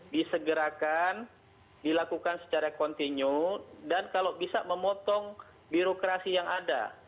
disegerakan dilakukan secara kontinu dan kalau bisa memotong birokrasi yang ada